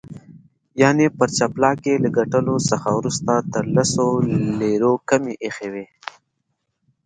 یعني پر جاپلاک یې له ګټلو څخه وروسته تر لسو لیرو کمې ایښي وې.